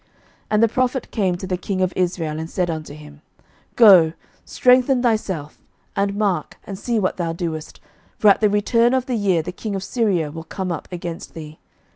11:020:022 And the prophet came to the king of Israel, and said unto him, Go, strengthen thyself, and mark, and see what thou doest: for at the return of the year the king of Syria will come up against thee.